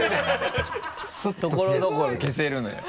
ところどころ消せるのよ。